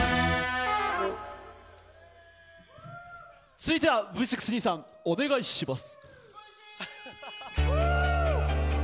続いてはＶ６兄さん、お願いします。